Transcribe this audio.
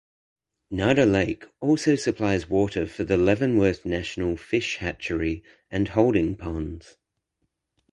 Nada Lake also supplies water for the Leavenworth National Fish Hatchery and holding ponds.